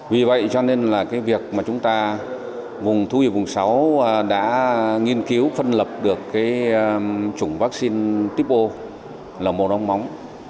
vì vậy cho nên là cái việc mà chúng ta vùng thú y vùng sáu đã nghiên cứu phân lập được cái chủng vaccine tipo lở mồm long móng